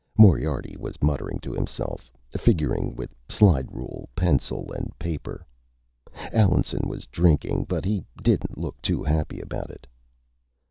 Moriarty was muttering to himself, figuring with slide rule, pencil and paper. Allenson was drinking, but he didn't look too happy about it.